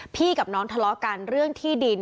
กับน้องทะเลาะกันเรื่องที่ดิน